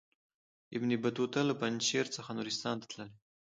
ابن بطوطه له پنجشیر څخه نورستان ته تللی.